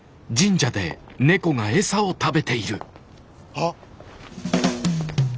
あっ！